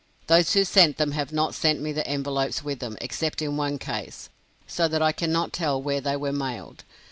Those who sent them have not sent me the envelopes with them, except in one case, so that I cannot tell where they were mailed.